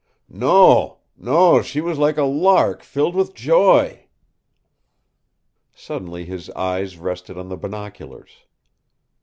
"Non, non she was like a lark filled with joy." Suddenly his eyes rested on the binoculars.